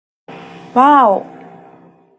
わぁお